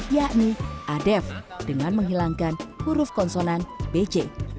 yakni adef dengan menghilangkan huruf konsonan bc